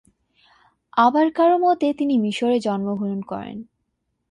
আবার কারো মতে তিনি মিশরে জন্মগ্রহণ করেন।